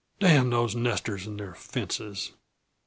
"Damn these nesters and their fences!"